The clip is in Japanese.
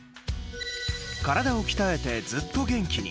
体を鍛えて、ずっと元気に。